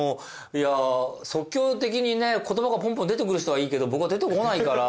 即興的にね言葉がぽんぽん出てくる人はいいけど僕は出てこないから。